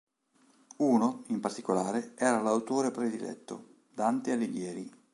Uno, in particolare, era l'autore prediletto: Dante Alighieri.